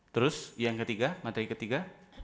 terus yang ketiga materi ketiga